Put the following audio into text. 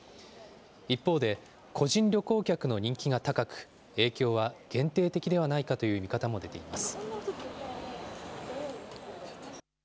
一方で、個人旅行客の人気が高く、影響は限定的ではないかという見方も出ています。